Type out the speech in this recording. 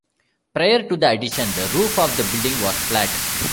Prior to the addition, the roof of the building was flat.